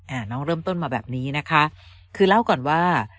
น้องเริ่มต้นมาแบบนี้นะคะคือเล่าก่อนว่า